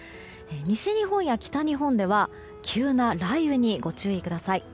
西日本や北日本では急な雷雨にご注意ください。